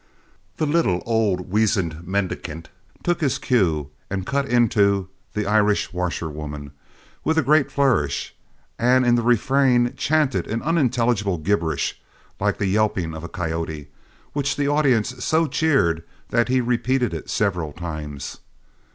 The little, old, weazened mendicant took his cue, and cut into "The Irish Washerwoman" with a great flourish, and in the refrain chanted an unintelligible gibberish like the yelping of a coyote, which the audience so cheered that he repeated it several times.